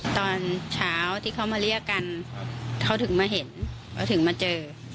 ตอนเช้าที่เขามาเรียกกันเขาถึงมาเห็นเขาถึงมาเจอ